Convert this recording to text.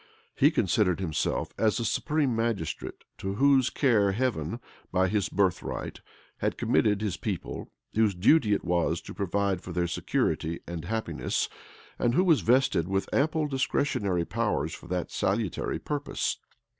He considered himself as the supreme magistrate, to whose care Heaven, by his birthright, had committed his people; whose duty it was to provide for their security and happiness, and who was vested with ample discretionary powers for that salutary purpose.